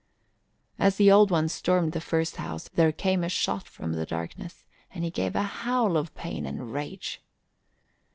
As the Old One stormed the first house, there came a shot from the darkness and he gave a howl of pain and rage.